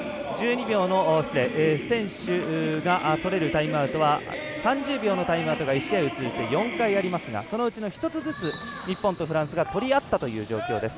選手がとれるタイムアウトは３０秒のタイムアウトが１試合を通じて４回ありますがそのうちの１つずつ日本とフランスが取り合ったという状況です。